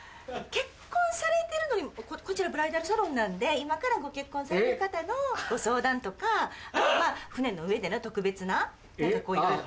こちらブライダルサロンなんで今からご結婚される方のご相談とか船の上での特別な何か。